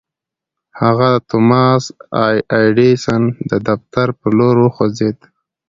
هغه د توماس اې ايډېسن د دفتر پر لور وخوځېد.